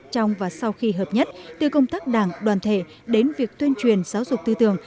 trong và sau khi hợp nhất từ công tác đảng đoàn thể đến việc tuyên truyền giáo dục tư tường